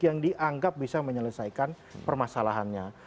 yang dianggap bisa menyelesaikan permasalahannya